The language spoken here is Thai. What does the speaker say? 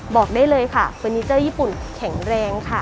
บอกได้เลยค่ะเฟอร์นิเจอร์ญี่ปุ่นแข็งแรงค่ะ